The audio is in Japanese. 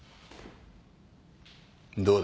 どうだ？